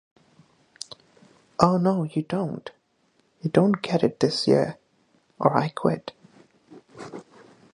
Oh no you don't! You don't get it this year, or I quit!